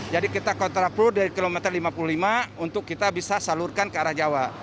jadi kita kontraplu dari kilometer lima puluh lima untuk kita bisa salurkan ke arah jawa